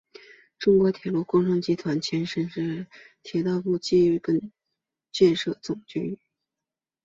中国铁路工程集团的前身是铁道部基本建设总局。